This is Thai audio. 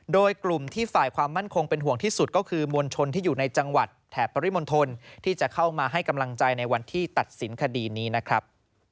โดยกลุ่มที่ฝ่ายความมั่นคงเป็นห่วงที่สุดก็คือมวลชนที่อยู่ในจังหวัดแถบปริมณฑลที่จะเข้ามาให้กำลังใจในวันที่ตัดสินคดีนี้นะครับ